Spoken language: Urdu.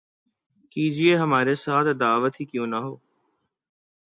کیجئے ہمارے ساتھ‘ عداوت ہی کیوں نہ ہو